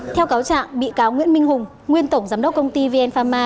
theo cáo trạng bị cáo nguyễn minh hùng nguyên tổng giám đốc công ty vn pharma